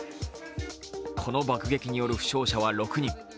この爆撃による負傷者は６人。